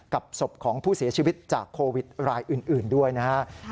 ศพของผู้เสียชีวิตจากโควิดรายอื่นด้วยนะครับ